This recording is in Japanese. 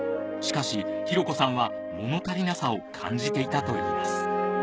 しかし紘子さんは物足りなさを感じていたといいます